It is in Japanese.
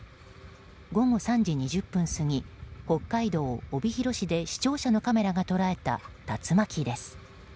午後３時２０分過ぎ北海道帯広市で視聴者のカメラが捉えた竜巻です。